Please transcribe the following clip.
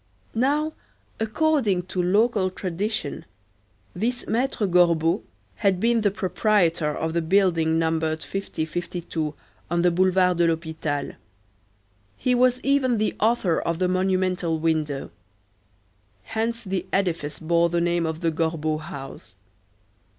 Now, according to local tradition, this Maître Gorbeau had been the proprietor of the building numbered 50 52 on the Boulevard de l'Hôpital. He was even the author of the monumental window. Hence the edifice bore the name of the Gorbeau house.